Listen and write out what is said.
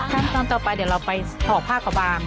ขั้นตอนต่อไปเดี๋ยวเราไปห่อผ้ากระบาง